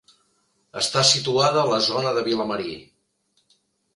Està situada a la zona de Vilamarí.